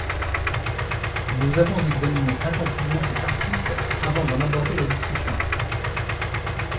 Nous avons examiné attentivement cet article avant d’en aborder la discussion.